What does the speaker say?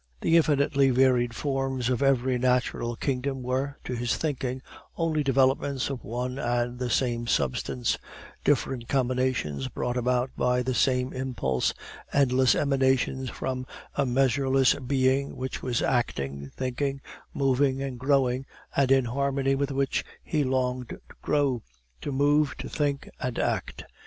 The infinitely varied forms of every natural kingdom were, to his thinking, only developments of one and the same substance, different combinations brought about by the same impulse, endless emanations from a measureless Being which was acting, thinking, moving, and growing, and in harmony with which he longed to grow, to move, to think, and act.